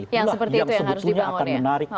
itulah yang sebetulnya akan menarik